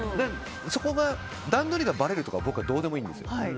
段取りがばれるとかは僕はどうでもいいんですよ。